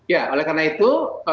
ya oleh karena itu